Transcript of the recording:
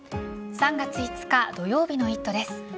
３月５日土曜日の「イット！」です。